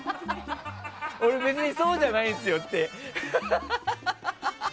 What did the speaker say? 俺、別にそうじゃないんですよって。